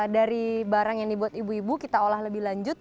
dari barang yang dibuat ibu ibu kita olah lebih lanjut